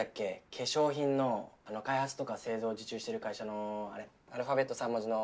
化粧品の開発とか製造受注してる会社のアルファベット３文字の。